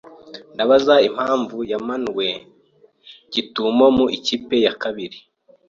Ndabaza impamvu yamanuwe gitumo mu ikipe igice cya kabiri?